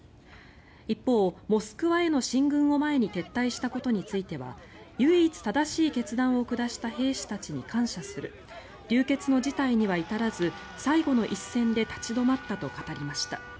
一方、モスクワへの進軍を前に撤退したことについては唯一正しい決断を下した兵士たちに感謝する流血の事態には至らず最後の一線で立ち止まったと語りました。